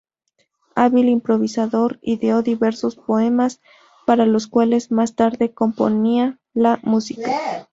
Hábil improvisador, ideó diversos poemas, para los cuales más tarde componía la música.